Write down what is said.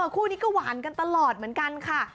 คู่นี้ก็หวานกันตลอดเหมือนกันค่ะ